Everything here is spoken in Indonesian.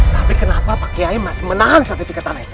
tapi kenapa pak kiai masih menahan sertifikat tanah itu